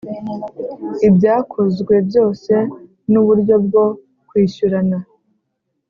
ibyakozwe byose n uburyo bwo kwishyurana